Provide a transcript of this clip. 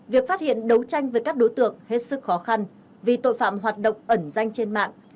việc phát hiện đấu tranh với các đối tượng hết sức khó khăn vì tội phạm hoạt động ẩn danh trên mạng